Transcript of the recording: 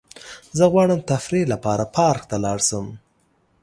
زه غواړم تفریح لپاره پارک ته لاړ شم.